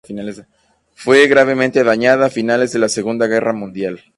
Fue gravemente dañada a finales de la Segunda Guerra Mundial.